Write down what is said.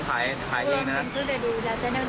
ร่วมกันซุดอย่ากันดูแล้วก็อาจจะนับสวนซุดแข็ง